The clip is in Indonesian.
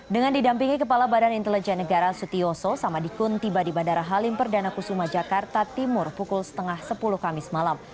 dengan didampingi kepala badan intelijen negara sutioso samadikun tiba di bandara halim perdana kusuma jakarta timur pukul setengah sepuluh kamis malam